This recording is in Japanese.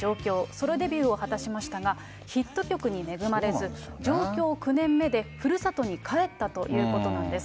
ソロデビューを果たしましたが、ヒット曲に恵まれず、上京９年目でふるさとに帰ったということなんです。